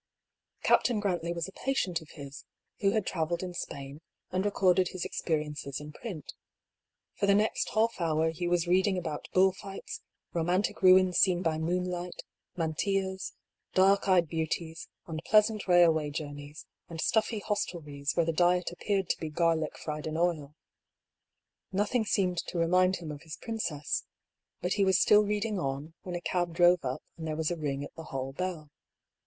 Captain Grantley was a patient of his, who had travelled in Spain, and recorded his experiences in print. For the next half hour Hugh was reading about bullfights, romantic ruins seen by moonlight, mantillas, dark eyed beauties, unpleasant railway journeys, and stuffy hostelries where the diet appeared to be garlic fried in oil. Nothing seemed to remind him of his princess ; but he was still reading on, when a cab drove up, and there was a ring at the hall bell.